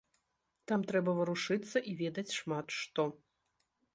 Там трэба варушыцца і ведаць шмат што.